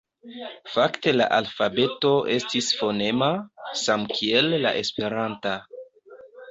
Fakte la alfabeto estis fonema, samkiel la esperanta.